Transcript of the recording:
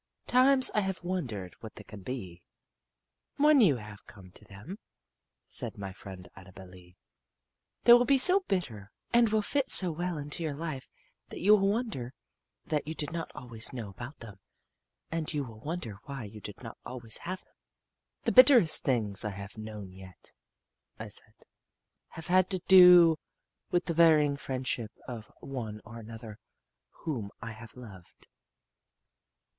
Times I have wondered what they can be. "When you have come to them," said my friend Annabel Lee, "they will be so bitter and will fit so well into your life that you will wonder that you did not always know about them, and you will wonder why you did not always have them." "The bitterest things I have known yet," I said, "have had to do with the varying friendship of one or another whom I have loved."